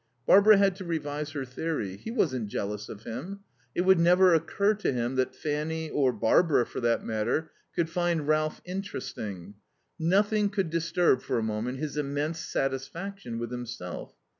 Barbara had to revise her theory. He wasn't jealous of him. It would never occur to him that Fanny, or Barbara for that matter, could find Ralph interesting. Nothing could disturb for a moment his immense satisfaction with himself.